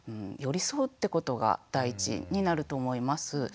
寄り添うってことが大事になると思います。